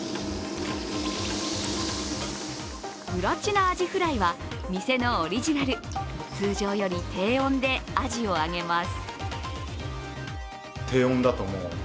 プラチナアジフライは店のオリジナル、通常より低温でアジを揚げます。